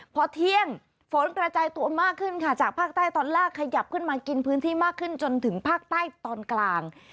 พอเที่ยงฝนกระจายตัวมากขึ้นค่ะจากภาคใต้ตอนล่างขยับขึ้นมากินพื้นที่มากขึ้นจนถึงภาคใต้ตอนกลาง